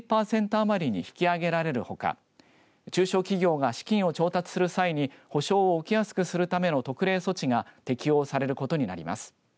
あまりに引き上げられるほか中小企業が資金を調達する際に保証を受けやすくするための特例措置が適用されることになります。